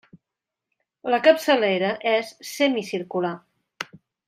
La capçalera és semicircular.